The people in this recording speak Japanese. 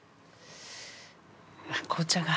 紅茶が。